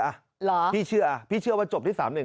เหรอพี่เชื่อพี่เชื่อว่าจบที่๓๑